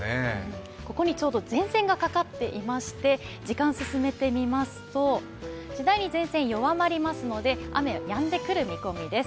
ここにちょうど前線がかかっていまして時間を進めてみますと、次第に前線は弱まりますので、雨やんでくる見込みです。